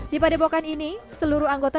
di padepokan ini seluruh anggota